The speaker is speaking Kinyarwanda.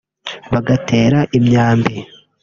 bagatera imyambi